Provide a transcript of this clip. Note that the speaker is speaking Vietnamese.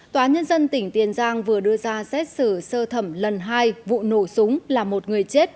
tòa nhân dân tỉnh tiền giang vừa đưa ra xét xử sơ thẩm lần hai vụ nổ súng là một người chết